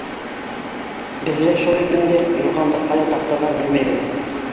Беҙ ҙә шул инде: юрғанды ҡайҙа тартырға белмәйбеҙ.